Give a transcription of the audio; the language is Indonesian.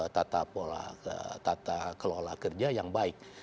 tata pola tata kelola kerja yang baik